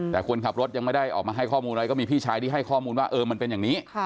แต่คนขับรถยังไม่ได้ออกมาให้ข้อมูลอะไรก็มีพี่ชายที่ให้ข้อมูลว่าเออมันเป็นอย่างนี้